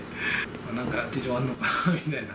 なんか事情あるのかなみたいな。